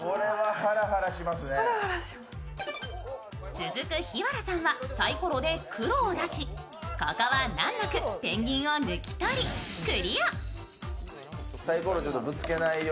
続く檜原さんはさいころで黒を出しここは難なくペンギンを抜き取りクリア。